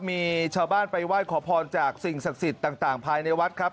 มีชาวบ้านไปไหว้ขอพรจากสิ่งศักดิ์สิทธิ์ต่างภายในวัดครับ